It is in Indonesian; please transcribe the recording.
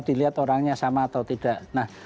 dilihat orangnya sama atau tidak nah